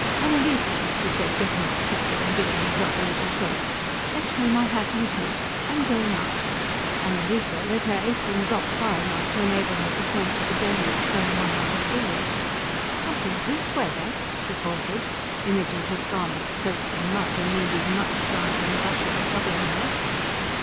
"Annalise," she said, getting up quickly and giving herself a little shake, "fetch me my hat and coat. I'm going out." Annalise let her apron drop far enough to enable her to point to the deluge going on out of doors. "Not in this weather?" she faltered, images of garments soaked in mud and needing much drying and brushing troubling her.